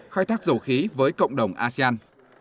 khai thác dầu khí với cộng đồng asean